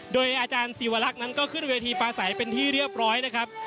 โดยอาจารย์ศิวรักษ์นั้นก็ขึ้นเวทีปลาใสเป็นที่เรียบร้อยนะครับ